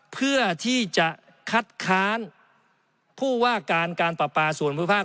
เพื่อที่จะคัดค้านผู้ว่าการการปราปาส่วนภูมิภาค